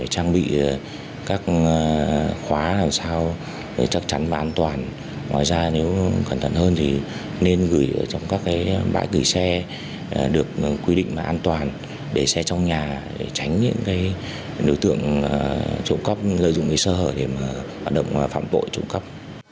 trang bị các khóa làm sao chắc chắn và an toàn ngoài ra nếu cẩn thận hơn thì nên gửi trong các bãi gửi xe được quy định an toàn để xe trong nhà tránh những đối tượng trụng cấp lợi dụng sơ hở để hoạt động phạm bội trụng cấp